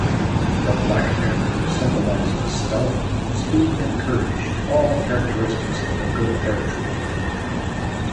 The black panther symbolizes stealth, speed and courage, all characteristics of a good Paratrooper.